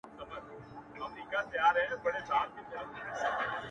ماته تر مرگ ښايسته وو _ ده ته زه تر ژوند بدرنگ وم _